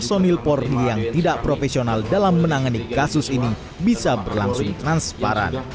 personil polri yang tidak profesional dalam menangani kasus ini bisa berlangsung transparan